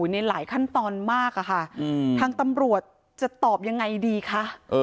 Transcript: ในหลายขั้นตอนมากค่ะทางตำรวจจะตอบยังไงดีคะ